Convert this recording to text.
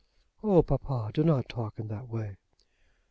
"Oh, papa, do not talk in that way."